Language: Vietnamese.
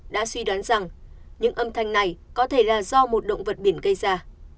đã suy đoán rằng những âm thanh này có thể là do một động vật biển gây ra